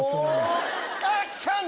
アクション‼